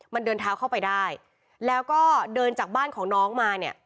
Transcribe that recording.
มันเดินเท้าเข้าไปได้แล้วก็เดินจากบ้านของน้องมาเนี่ย